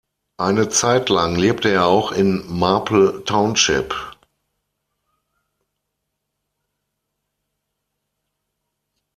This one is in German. Eine zeitlang lebte er auch in Marple Township.